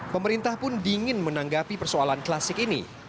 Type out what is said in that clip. pemerintah pun dingin menanggapi persoalan klasik ini